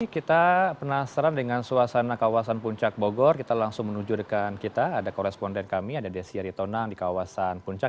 kita penasaran dengan suasana kawasan puncak bogor kita langsung menuju rekan kita ada koresponden kami ada desi aritonang di kawasan puncak